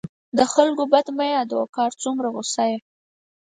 د خلکو بد مه یادوه، که هر څومره غصه یې.